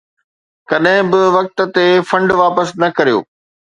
ڪڏهن به وقت تي فنڊ واپس نه ڪريو.